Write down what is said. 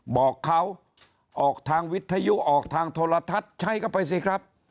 บอกเขาออกทางวิทยุออกทางโทรทัศน์ใช้เข้าไปสิครับ